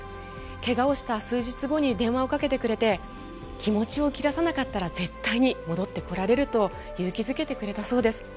怪我をした数日後に電話をかけてくれて気持ちを切らさなかったら絶対に戻ってこられると勇気付けてくれたそうです。